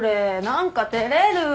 何か照れる。